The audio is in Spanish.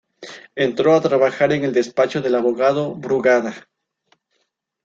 Entró a trabajar en el despacho del abogado Brugada.